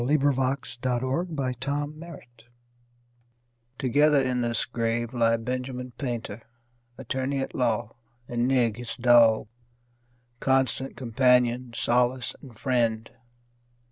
Edgar Lee Masters Benjamin Painter TOGETHER in this grave lie Benjamin Painter, attorney at law, And Nig, his dog, constant companion, solace and friend.